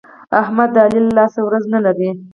احمد د علي له لاسه ورځ نه لري.